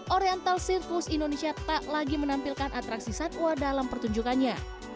oriental sirkus indonesia tak lagi menampilkan atraksi satwa dalam pertunjukannya